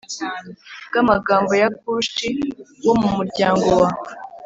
bw amagambo ya Kushi wo mu muryango wa